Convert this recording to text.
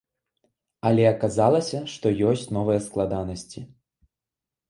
Але аказалася, што ёсць новыя складанасці.